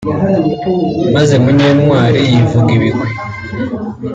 maze Munyentwari yivuga ibigwi